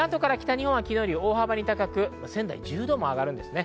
関東から北日本は昨日より大幅に高く、仙台は１０度も上がるんですね。